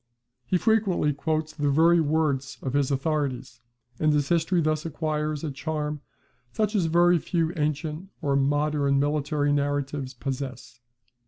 He frequently quotes the very words of his authorities: and his history thus acquires a charm such as very few ancient or modern military narratives possess.